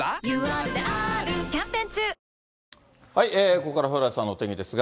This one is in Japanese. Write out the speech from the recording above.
ここからは蓬莱さんのお天気ですが。